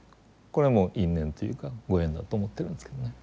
これはもう因縁というかご縁だと思ってるんですけどね。